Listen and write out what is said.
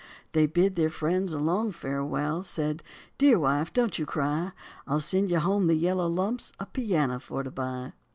They bid their friends a long farewell, said, "Dear wife, don't you cry, I'll send you home the yellow lumps a piano for to buy."